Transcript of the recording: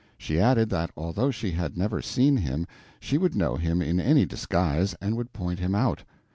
She added that although she had never seen him she would know him in any disguise and would point him out.